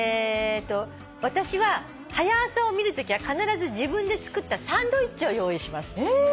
「私は『はや朝』を見るときは必ず自分で作ったサンドイッチを用意します」え。